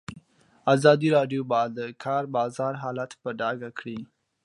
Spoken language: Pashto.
ازادي راډیو د د کار بازار حالت په ډاګه کړی.